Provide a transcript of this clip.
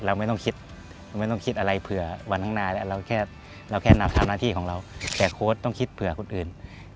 เราไม่ต้องคิดอะไรเผื่อวันข้างหน้าแหละเราแค่นับทำหน้าที่ของเราแต่โค้ชต้องคิดเผื่อคนอื่น